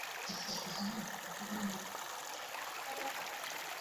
গতকাল বিকেলে মোহনলাল পাহানের বাড়ির অদূরে মরিচখেতে তাঁর গলাকাটা লাশ পাওয়া যায়।